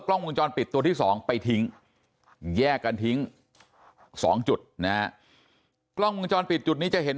กล้องมุมจรปิดตัวที่๒ไปทิ้งแยกกันทิ้ง๒จุดอันจวดนี้จะเห็น